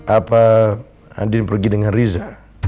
apa andin pergi dengan riza